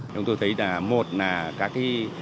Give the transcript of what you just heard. chúng tôi thấy là một là các thi